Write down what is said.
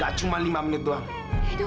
gak cuma lima menit doang